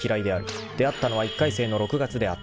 ［出会ったのは１回生の６月であった］